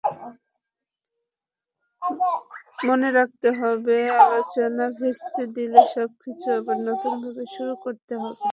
মনে রাখতে হবে, আলোচনা ভেস্তে দিলে সবকিছু আবার নতুনভাবে শুরু করতে হবে।